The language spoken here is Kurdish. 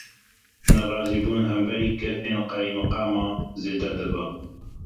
Nerazîbûn, li hember gefên qeymeqam zêde dibe.